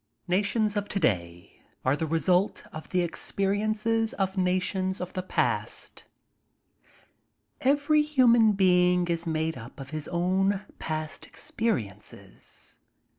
Nations of today are the result of the experiences of nations of the past Every human being is made up of his own past experiences.